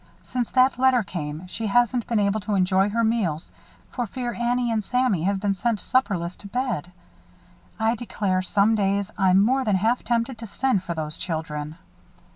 Since that letter came, she hasn't been able to enjoy her meals for fear Annie and Sammy have been sent supperless to bed. I declare, some days, I'm more than half tempted to send for those children."